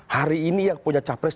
hari ini yang punya capres